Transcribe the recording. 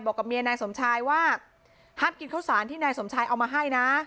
กับเมียนายสมชายว่าห้ามกินข้าวสารที่นายสมชายเอามาให้นะ